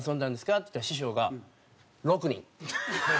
っつったら師匠が「６人」。